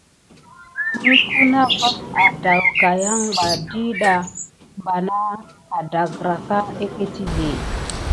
Ne kuna vase adaougayaba dida mbana adagran egətivé.